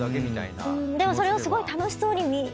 でもそれすごい楽しそうに見えて。